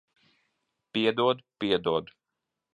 Piedod. Piedod.